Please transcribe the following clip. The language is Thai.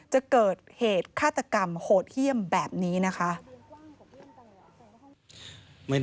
จะเกิดเหตุฆาตกรรมโหดเยี่ยมแบบนี้นะคะ